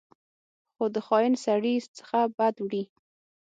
خو د خاین سړي څخه بد وړي.